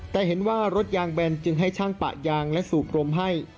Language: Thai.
แต่เห็นว่ารถยางแบนจึงให้ช่างปะยางและสูบกลมให้